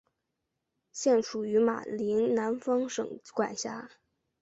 现属于巴林南方省管辖。